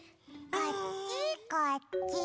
こっちこっち。